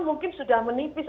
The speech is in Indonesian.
mungkin sudah menipis